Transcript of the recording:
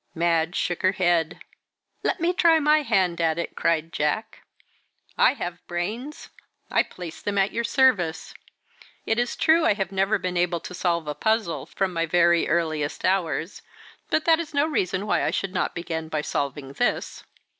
Madge shook her head. "Let me try my hand at it," cried Jack. "I have brains I place them at your service. It is true I never have been able to solve a puzzle from my very earliest hours, but that is no reason why I should not begin by solving this."